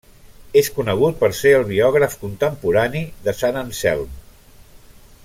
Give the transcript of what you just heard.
És conegut per ser el biògraf contemporani de Sant Anselm.